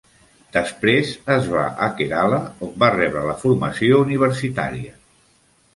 Després, es va a Kerala on va rebre la formació universitària.